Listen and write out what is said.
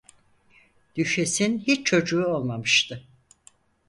Düşesin hiç çocuğu olmamıştı.